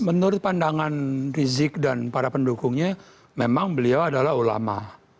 menurut pandangan rizik dan para pendukungnya memang beliau adalah ulama